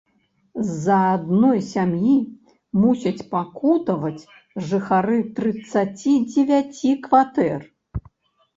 З-за адной сям'і мусяць пакутаваць жыхары трыццаці дзевяці кватэр.